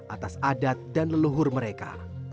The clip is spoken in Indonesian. atas adat dan leluhur mereka